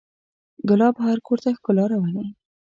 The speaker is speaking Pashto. ګلاب هر کور ته ښکلا راولي.